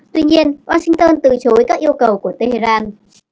tuy nhiên washington từ chối các yêu cầu của tehran